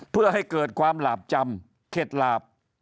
เพื่อให้เกิดความหลาบจำเข็ดหลาบ